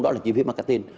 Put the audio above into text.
đó là chi phí marketing